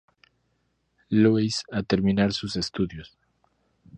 Louis a terminar sus estudios.